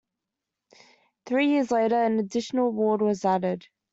Three years later, an additional ward was added.